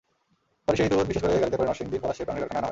পরে সেই দুধ বিশেষ গাড়িতে করে নরসিংদীর পলাশে প্রাণের কারখানায় আনা হয়।